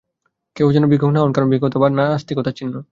কেহ যেন ভিক্ষুক না হন, কারণ ভিক্ষুকতা নাস্তিকতার চিহ্ন।